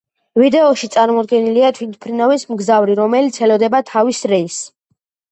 ვიდეოში წარმოდგენილია თვითმფრინავის მგზავრი, რომელიც ელოდება თავის რეისს.